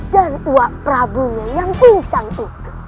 dan uak perabunya yang pingsan itu